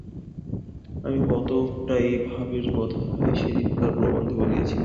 আপনি কতকটা এই ভাবের কথাই সেদিনকার প্রবন্ধেও বলিয়াছিলেন।